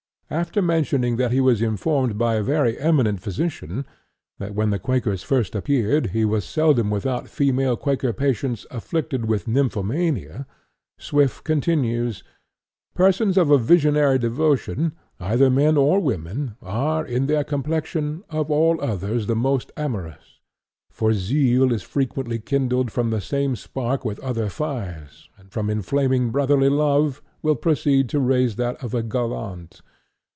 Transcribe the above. After mentioning that he was informed by a very eminent physician that when the Quakers first appeared he was seldom without female Quaker patients affected with nymphomania, Swift continues: "Persons of a visionary devotion, either men or women, are, in their complexion, of all others the most amorous. For zeal is frequently kindled from the same spark with other fires, and from inflaming brotherly love will proceed to raise that of a gallant.